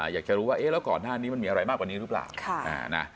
อยากจะรู้ว่าเอ๊ะแล้วก่อนหน้านี้มันมีอะไรมากกว่านี้หรือเปล่า